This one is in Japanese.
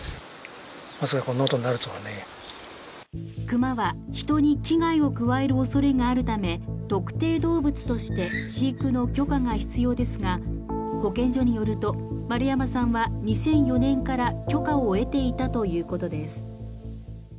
熊は人に危害を加えるおそれがあるため特定動物として飼育の許可が必要ですが保健所によると、丸山さんは２００４年から許可を得ていたということです。